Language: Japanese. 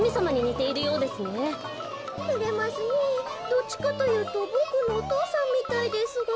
どっちかというとボクのお父さんみたいですが。